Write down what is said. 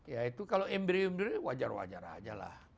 ya itu kalau emberi emberi wajar wajar aja lah